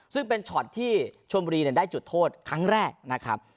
ซึ่งเป็นช็อตที่ชมบุรีได้จุดโทษครั้งแรกนะครับ